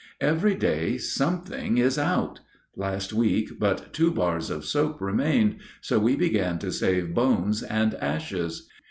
Every day something is out. Last week but two bars of soap remained, so we began to save bones and ashes.